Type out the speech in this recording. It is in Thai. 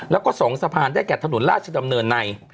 แล้วก็๒สะพานได้แก่ถนนราชดำเนินใน